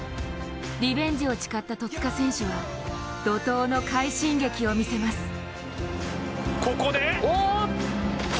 リベンジを誓った戸塚選手は怒とうの快進撃を見せます。